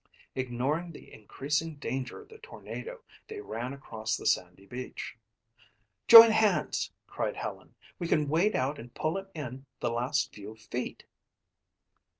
Ignoring the increasing danger of the tornado, they ran across the sandy beach. "Join hands," cried Helen. "We can wade out and pull him the last few feet."